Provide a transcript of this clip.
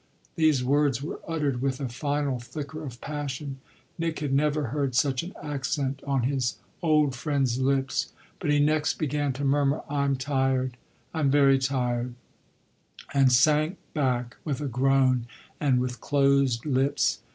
These words were uttered with a final flicker of passion Nick had never heard such an accent on his old friend's lips. But he next began to murmur, "I'm tired I'm very tired," and sank back with a groan and with closed lips.